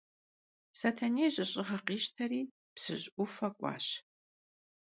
Setenêy jış'ığe khişteri Psıj 'ufe k'uaş.